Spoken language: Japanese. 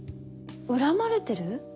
恨まれてる？